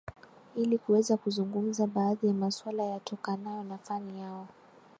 ili kuweza kuzungumza baadhi ya maswala yatokanayo na fani yao